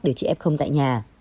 điều trị f tại nhà